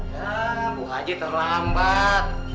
ya ibu haji terlambat